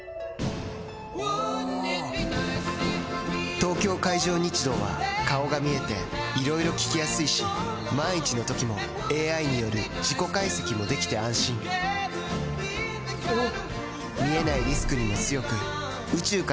東京海上日動は顔が見えていろいろ聞きやすいし万一のときもＡＩによる事故解析もできて安心おぉ！